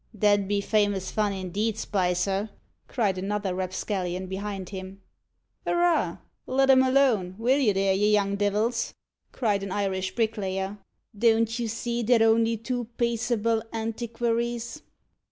"That 'ud be famous fun, indeed, Spicer!" cried another rapscallion behind him. "Arrah! let 'em alone, will you there, you young divils!" cried an Irish bricklayer; "don't you see they're only two paiceable antiquaries."